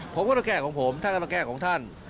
ผมก็ต้องแก้ของผมท่านก็ต้องแก้ของท่าน